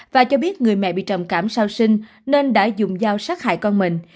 và cho biết người mẹ bị trầm cảm sau sinh nên đã dùng dao sát hại con mình